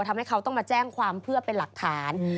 ทำให้เขาต้องมาแจ้งความเพื่อเป็นหลักฐาน